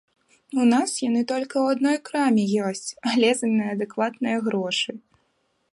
У нас яны толькі ў адной краме ёсць, але за неадэкватныя грошы.